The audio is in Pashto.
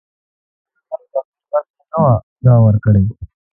مور ته مې ماماګانو د اختر برخه نه وه ورکړې